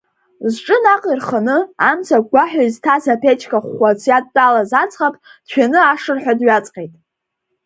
Зҿы наҟ ирханы, амца агәгәаҳәа изҭаз аԥечка хәхәацә иадтәалаз аӡӷаб дшәаны ашырҳәа дҩаҵҟьеит.